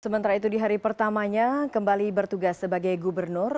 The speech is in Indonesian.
sementara itu di hari pertamanya kembali bertugas sebagai gubernur